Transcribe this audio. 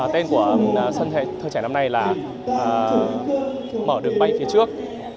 tên của sân hệ thơ trẻ năm nay là mở đường bay phía trước